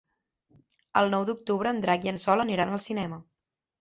El nou d'octubre en Drac i en Sol aniran al cinema.